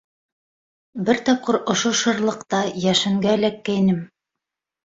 Бер тапҡыр ошо шырлыҡта йәшенгә эләккәйнем.